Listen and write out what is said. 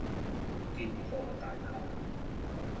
金華大廈